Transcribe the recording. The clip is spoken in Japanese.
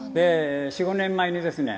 ４、５年前にですね